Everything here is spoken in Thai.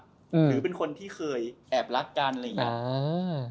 หรือเป็นคนที่เคยแอบรักกันอะไรอย่างนี้